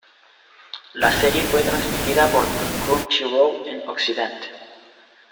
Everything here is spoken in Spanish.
La serie fue transmitida por Crunchyroll en occidente.